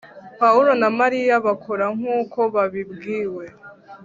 pawulo na mariya bakora nkuko babibwiwe